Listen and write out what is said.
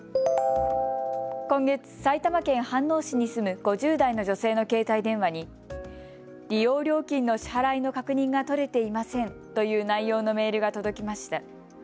今月、埼玉県飯能市に住む５０代の女性の携帯電話に利用料金の支払いの確認が取れていませんという内容のメールが届きました。